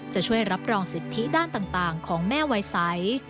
จะช่วยรับรองสิทธิด้านต่างของแม่วัยใส